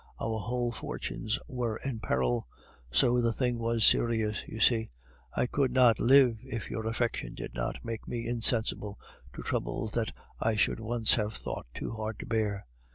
Our whole fortunes were in peril, so the thing was serious, you see. I could not live if your affection did not make me insensible to troubles that I should once have thought too hard to bear.